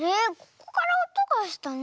ここからおとがしたね。